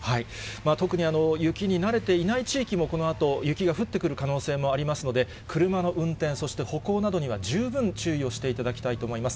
特に雪に慣れていない地域も、このあと、雪が降ってくる可能性もありますので、車の運転、そして歩行などには十分注意をしていただきたいと思います。